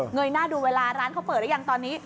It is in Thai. ยหน้าดูเวลาร้านเขาเปิดหรือยังตอนนี้